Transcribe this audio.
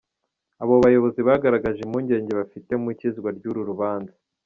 Abo bayobozi bagaragaje impungenge bafite mu ikizwa ry’uru rubanza.